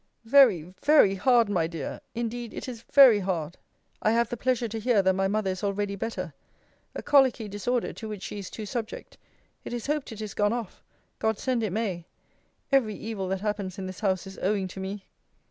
Very, very hard, my dear! Indeed it is very hard. I have the pleasure to hear that my mother is already better. A colicky disorder, to which she is too subject. It is hoped it is gone off God send it may! Every evil that happens in this house is owing to me!